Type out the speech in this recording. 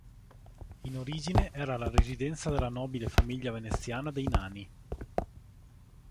In origine era residenza della nobile famiglia veneziana dei Nani.